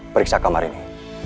periksa kamar ini